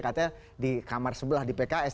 katanya di kamar sebelah di pks